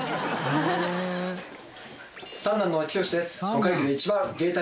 三男の聖志です。